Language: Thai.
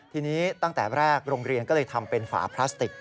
ทีนี้ตั้งแต่แรกโรงเรียนก็เลยทำเป็นฝาพลาสติก